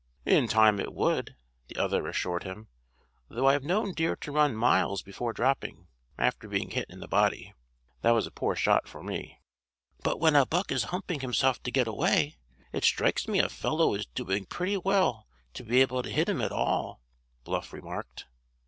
"In time it would," the other assured him, "though I've known deer to run miles before dropping, after being hit in the body. That was a poor shot for me." "But, when a buck is humping himself to get away, it strikes me a fellow is doing pretty well to be able to hit him at all," Bluff remarked.